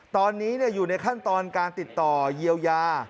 ตอนนี้อยู่ในขั้นตอนการติดต่อเยียวยา